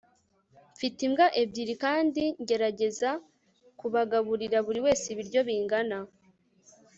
mfite imbwa ebyiri kandi ngerageza kubagaburira buriwese ibiryo bingana